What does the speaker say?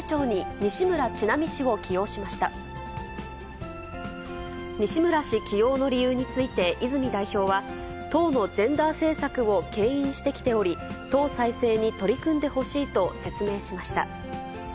西村氏起用の理由について、泉代表は、党のジェンダー政策をけん引してきており、党再生に取り組んでほしいと説明しました。